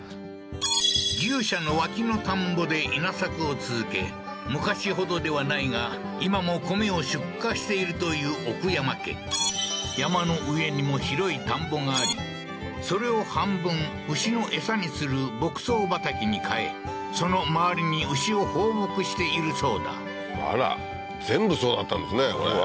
牛舎の脇の田んぼで稲作を続け昔ほどではないが今も米を出荷しているという奥山家山の上にも広い田んぼがありそれを半分牛の餌にする牧草畑に変えその周りに牛を放牧しているそうだあら全部そうだったんですねうわ